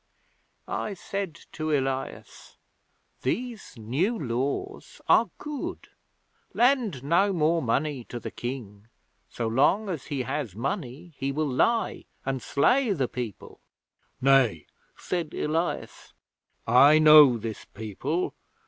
'I said to Elias: "These New Laws are good. Lend no more money to the King: so long as he has money he will lie and slay the people." '"Nay," said Elias. "I know this people.